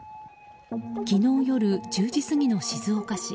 昨日夜１０時過ぎの静岡市。